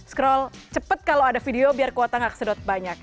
scroll cepet kalau ada video biar kuota gak kesedot banyak